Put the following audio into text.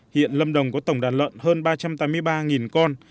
hiện lâm đồng có tổng đàn lợn hơn ba trăm tám mươi ba con